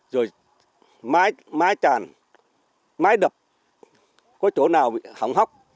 rồi mái mái tràn mái đập có chỗ nào bị hỏng hóc